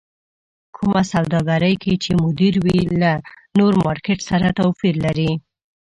کومه سوداګرۍ کې چې مدير وي له نور مارکېټ سره توپير لري.